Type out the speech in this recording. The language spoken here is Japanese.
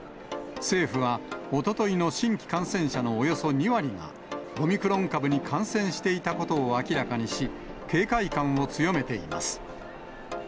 政府はおとといの新規感染者のおよそ２割がオミクロン株に感染していたことを明らかにし、警戒感を強めています。